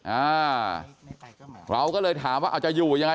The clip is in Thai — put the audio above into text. อ่าเราก็เลยถามว่าเอาจะอยู่ยังไง